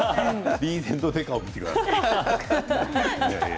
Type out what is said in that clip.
リーゼント先生を見てください。